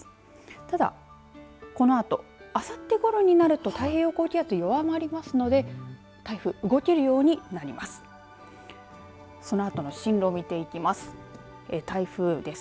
ただ、このあとあさってごろになると太平洋高気圧が弱まりますので台風、動けるようになります。